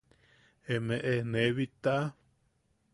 Emeʼe nee bittaʼa.